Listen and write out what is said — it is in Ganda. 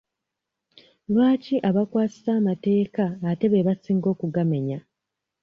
Lwaki abakwasisa amateeka ate be basinga okugamenya?